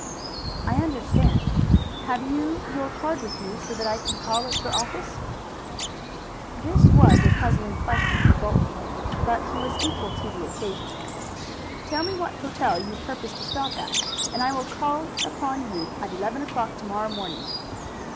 "I understand. Have you your card with you, so that I can call at your office?" This was a puzzling question for Bolton, but he was equal to the occasion. "Tell me what hotel you propose to stop at, and I will call upon you at eleven o'clock to morrow morning."